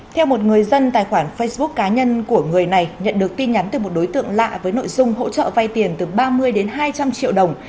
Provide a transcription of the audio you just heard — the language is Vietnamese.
theo một người dân tài khoản facebook cá nhân của người này nhận được tin nhắn từ một đối tượng lạ với nội dung hỗ trợ vay tiền từ ba mươi đến hai trăm linh triệu đồng